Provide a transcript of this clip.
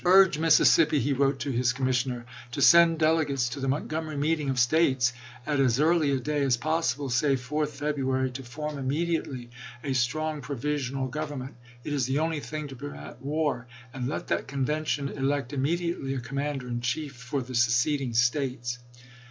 " Urge Missis sippi," he wrote to his commissioner, " to send dele gates to the Montgomery meeting of States at as early a day as possible — say 4th February — to ensTo jack form immediately a strong provisional government. T^'isfi! It is the only thing to prevent war; and let that mteiAgen convention elect immediately a commander in chief 30', i86i. ' for the seceding States."